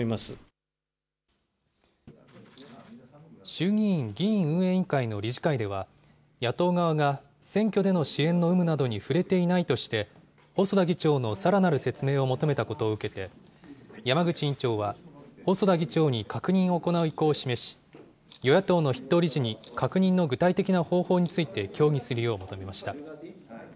衆議院議院運営委員会の理事会では、野党側が選挙での支援の有無などに触れていないとして、細田議長のさらなる説明を求めたことを受けて、山口委員長は、細田議長に確認を行う方針を示し、与野党の筆頭理事に、確認の具体的な方法について、協議するよう求めました。